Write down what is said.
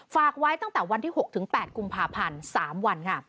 ฝากไว้ตั้งแต่วันที่๖๘กุมภาพันธ์๓วันค่ะ